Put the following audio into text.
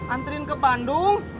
anterin ke bandung